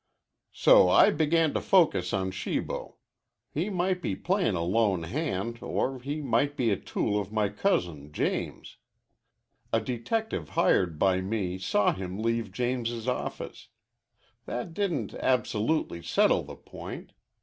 "So I began to focus on Shibo. He might be playin' a lone hand, or he might be a tool of my cousin James. A detective hired by me saw him leave James's office. That didn't absolutely settle the point.